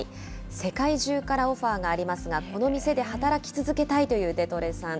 世界中からオファーがありますが、この店で働き続けたいというデトレさん。